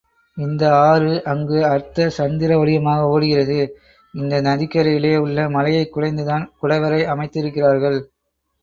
இந்த ஆறு அங்கு அர்த்த சந்திரவடிவமாக ஓடுகிறது இந்த நதிக்கரையிலே உள்ள மலையைக் குடைந்துதான் குடவரை அமைத்திருக்கிறார்கள்.